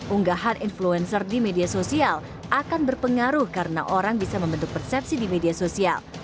unggahan influencer di media sosial akan berpengaruh karena orang bisa membentuk persepsi di media sosial